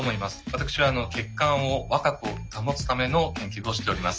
私は血管を若く保つための研究をしております。